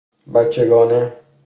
بچه گانه